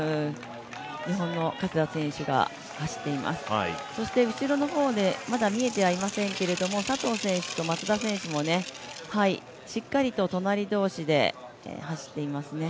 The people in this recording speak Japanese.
日本の加世田選手が走っています、そして後ろの方でまだ見えてはいませんけど佐藤選手と松田選手もね、しっかりと隣同士で走っていますね。